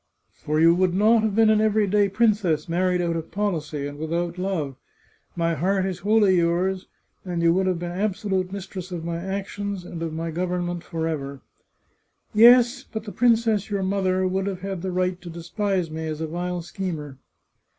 For you would not have been an every day princess, married out of policy, and with out love. My heart is wholly yours, and you would have been absolute mistress of my actions, and of my govern ment, forever." " Yes, but the princess, your mother, would have had the right to despise me as a vile schemer."